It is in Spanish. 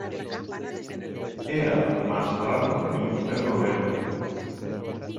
Era más raro que un perro verde